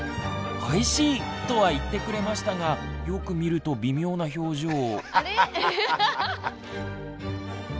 「おいしい」とは言ってくれましたがよく見ると微妙な表情。